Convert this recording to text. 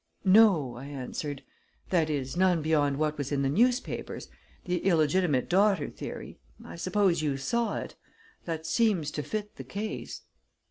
"No," I answered; "that is, none beyond what was in the newspapers the illegitimate daughter theory. I suppose you saw it. That seems to fit the case."